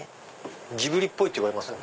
ジブリっぽいって言われません？